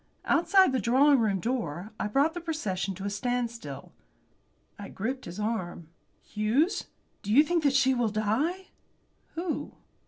Outside the drawing room door I brought the procession to a standstill. I gripped his arm. "Hughes, do you think that she will die?" "Who?"